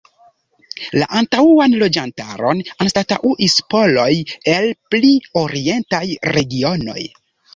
La antaŭan loĝantaron anstataŭis poloj el pli orientaj regionoj.